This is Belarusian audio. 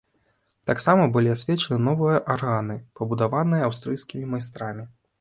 Таксама былі асвечаны новыя арганы, пабудаваныя аўстрыйскімі майстрамі.